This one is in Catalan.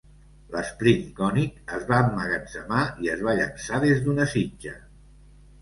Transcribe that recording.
L'Sprint cònic es va emmagatzemar i es va llançar des d'una sitja.